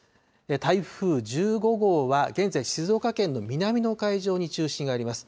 台風１５号は現在、静岡県の南の海上に中心があります。